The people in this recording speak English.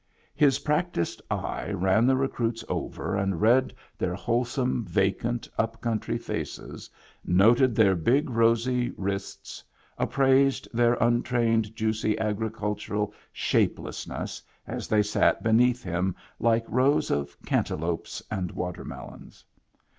His Digitized by Google 96 MEMBERS OF THE FAMILY practised eye ran the recruits over and read their wholesome vacant up country faces, noted their big rosy wrists, appraised their untrained juicy agricultural shapelessness as they sat beneath him like rows of cantaloupes and watermelons.